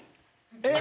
えっ！